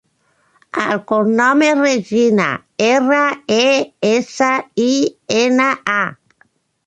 El cognom és Resina: erra, e, essa, i, ena, a.